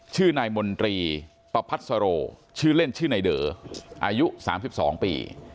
ชื่อนายมนตรีประพัสโรชื่อเล่นชื่อนายเดอร์อายุ๓๒ปี